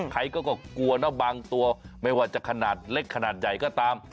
ใครก็กลัวนะบางตัวไม่ว่าจะขนาดเล็กขนาดใหญ่ก็ตาม